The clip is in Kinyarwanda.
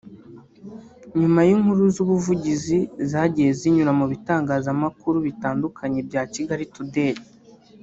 nyuma y’inkuru z’ubuvugizi zagiye zinyura mu bitangazamakuru bitandukanye bya Kigali Today